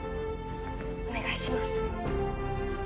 お願いします